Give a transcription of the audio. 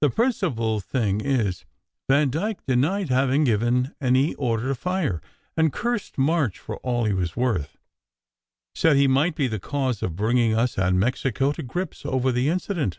The principal thing is, Vandyke denied having given any order to fire, and cursed March for all he was worth. Said he might be the cause of bringing us and Mexico to grips over the incident.